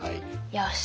よし。